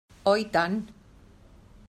Oh, i tant!